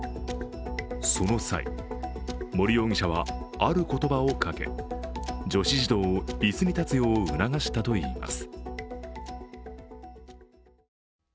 その際、森容疑者はある言葉をかけ、女子児童を椅子に立つよう促したといいます。